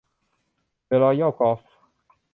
เดอะรอยัลกอล์ฟ